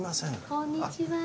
こんにちは。